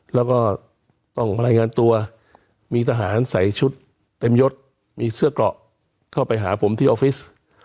แล้วก็ต้องรายงานตัวมีทหารใส่ชุดเต็มยดมีเสื้อเกราะเข้าไปหาผมที่ออฟฟิศ